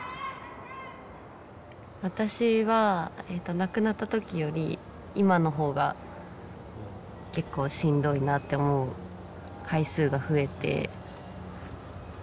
私は亡くなった時より今の方が結構しんどいなって思う回数が増えて。